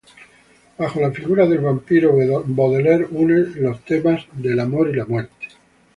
Bajo la figura del vampiro Baudelaire une los temas el amor y la muerte.